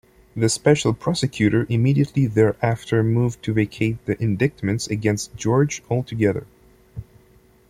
The special prosecutor immediately thereafter moved to vacate the indictments against George altogether.